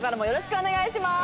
よろしくお願いします。